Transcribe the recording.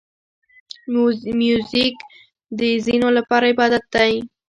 موزیک د ځینو لپاره عبادت دی.